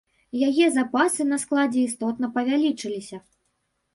Яе запасы на складзе істотна павялічыліся.